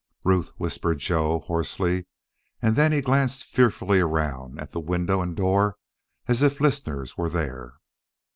"Ruth," whispered Joe, hoarsely, and then he glanced fearfully around, at the window and door, as if listeners were there.